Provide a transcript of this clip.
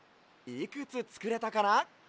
いくつつくれたかな？